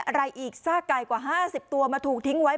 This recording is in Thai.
อะไรอีกซากไก่กว่าห้าสิบตัวมาถูกทิ้งไว้แบบนี้